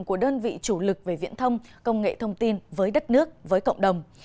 của đơn vị chủ lực về viễn thông công nghệ thông tin với đất nước với cộng đồng